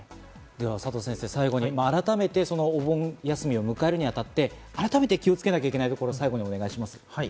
佐藤先生、最後にお盆休みを迎えるに当たって、気をつけなければいけないところをお願いします。